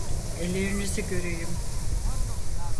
Ellerinizi göreyim!